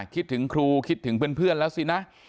คิดถึงครูคิดถึงเพื่อนแล้วสินะ